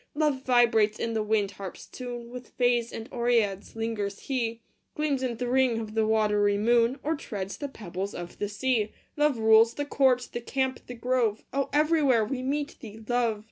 Love vibrates in the wind harp s tune With fays and oreads lingers he Gleams in th ring of the watery moon, Or treads the pebbles of the sea. Love rules " the court, the camp, the grove " Oh, everywhere we meet thee, Love